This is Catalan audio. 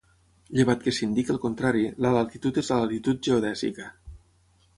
Llevat que s'indiqui el contrari, la latitud és la latitud geodèsica.